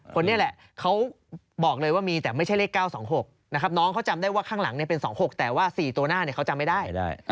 คนนี้แหละเขาบอกเลยว่ามีแต่ไม่ใช่เลข๙๒๖นะครับน้องเขาจำได้ว่าข้างหลังเป็น๒๖แต่ว่า๔ตัวหน้าเขาจำไม่ได้